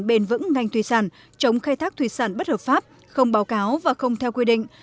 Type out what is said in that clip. bền vững ngành thủy sản chống khai thác thủy sản bất hợp pháp không báo cáo và không theo quy định